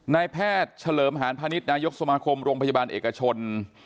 นายแพทย์เฉลิมหานพาณิชย์นายกสมาคมโรงพยาบาลเอกชน